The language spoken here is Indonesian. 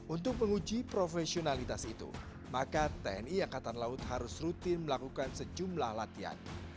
untuk menguji profesionalitas itu maka tni angkatan laut harus rutin melakukan sejumlah latihan